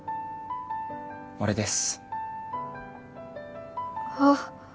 俺ですあっ